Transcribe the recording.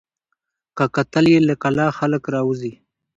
که کتل یې له کلا خلک راوزي